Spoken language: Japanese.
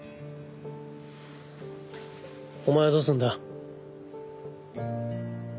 お前はどうするんだ？